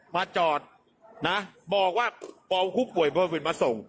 มาจอดบอกว่าปวงคุกป่วยเบอร์วิทย์มาส่ง